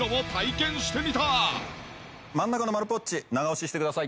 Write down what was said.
真ん中の丸ポッチ長押ししてください。